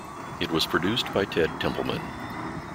It was produced by Ted Templeman.